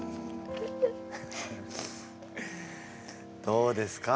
どうですか？